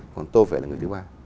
còn tôi phải là người thứ ba